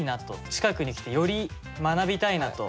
近くに来てより学びたいなと。